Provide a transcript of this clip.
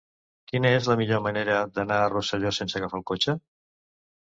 Quina és la millor manera d'anar a Rosselló sense agafar el cotxe?